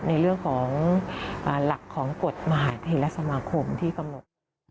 ในเรื่องของหลักของกฎมหาเทศสมาคมที่กำหนด